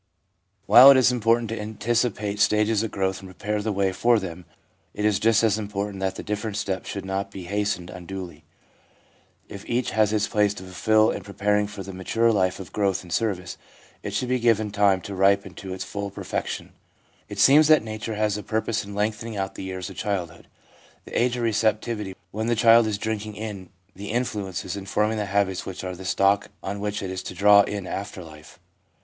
While it is important to anticipate stages of growth and prepare the way for them, it is just as important that the different steps should not be hastened unduly. If each has its place to fulfil in preparing for the mature life of growth and service, it should be given time to ripen to its full perfection. It seems that nature has a purpose in lengthening out the years of childhood — the age of receptivity — when the child is drinking in the influences and forming the habits which are the stock on which it is to draw in after life.